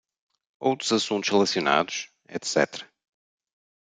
Outros assuntos relacionados, etc.